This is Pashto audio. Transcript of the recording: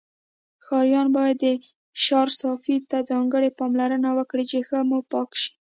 ښاریان باید د شار صفایی ته ځانګړی پاملرنه وکړی چی ښه موپاک شی